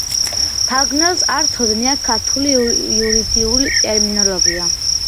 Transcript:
მთარგმნელს არ სცოდნია ქართული იურიდიული ტერმინოლოგია.